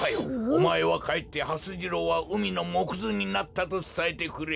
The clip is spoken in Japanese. おまえはかえってはす次郎はうみのもくずになったとつたえてくれ。